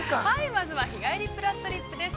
◆まずは「日帰りぷらっとりっぷ」です。